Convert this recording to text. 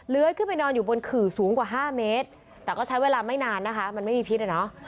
ขึ้นไปนอนอยู่บนขื่อสูงกว่า๕เมตรแต่ก็ใช้เวลาไม่นานนะคะมันไม่มีพิษอ่ะเนอะ